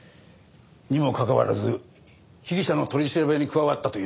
にもかかわらず被疑者の取り調べに加わったというのは。